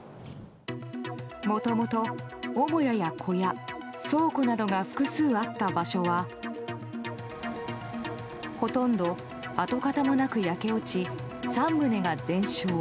もともと母屋や小屋、倉庫などが複数あった場所はほとんど跡形もなく焼け落ち３棟が全焼。